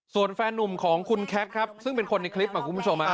ส่วนแฟนนุ่มของคุณแคทครับซึ่งเป็นคนในคลิปคุณผู้ชม